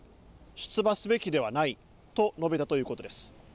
出馬すべきではないと述べたということです。